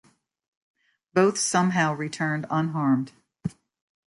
Both somehow returned unharmed.